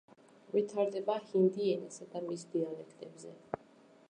ვითარდება ჰინდი ენასა და მის დიალექტებზე.